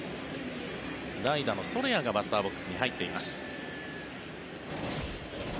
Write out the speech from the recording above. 代打のソレアがバッターボックスに入っています。